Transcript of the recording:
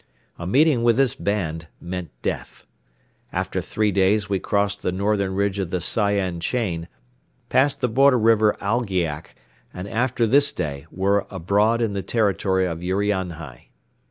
A meeting with this band meant death. After three days we crossed the northern ridge of the Sayan chain, passed the border river Algiak and, after this day, were abroad in the territory of Urianhai.